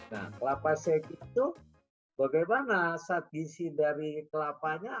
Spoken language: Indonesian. nah kelapa shake itu bagaimana saat diisi dari kelapanya